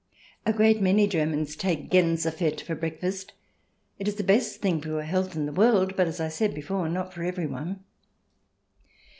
A great many Germans take Ganse fett for breakfast ; it is the best thing for your health in the world. But, as I said before, not for everyone.